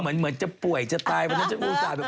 เหมือนจะป่วยจะตายเพราะฉะนั้นจะอู่ต่าง